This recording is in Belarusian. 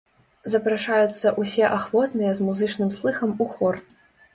Запрашаюцца ўсе ахвотныя з музычным слыхам у хор.